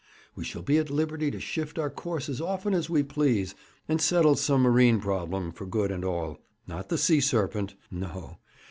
We shall be at liberty to shift our course as often as we please, and settle some marine problem for good and all; not the sea serpent no.